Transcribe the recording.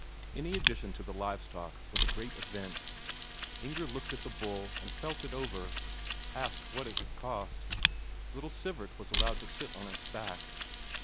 Any addition to the live stock was a great event. Inger looked at the bull and felt it over, asked what it had cost; little Sivert was allowed to sit on its back.